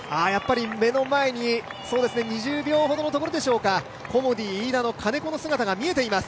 目の前に２０秒ほどのところでしょうか、コモディイイダの金子の姿が見えています。